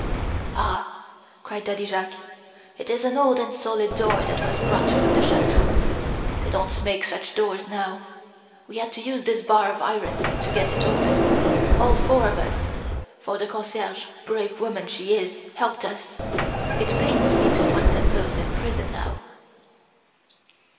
"Ah!" cried Daddy Jacques, "it is an old and solid door that was brought from the chateau they don't make such doors now. We had to use this bar of iron to get it open, all four of us for the concierge, brave woman she is, helped us. It pains me to find them both in prison now."